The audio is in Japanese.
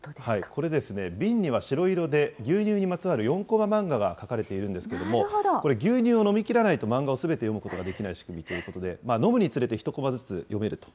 これ、瓶には白色で牛乳にまつわる４コマ漫画が描かれているんですけれども、牛乳を飲み切らないと漫画をすべて読むことができない仕組みということで、飲むにつれて、１コマずつ読めると。